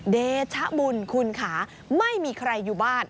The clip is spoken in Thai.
เดชบุญคุณค่ะไม่มีใครอยู่บ้าน